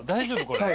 これ。